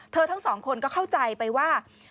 ทั้งสองคนก็เข้าใจไปว่า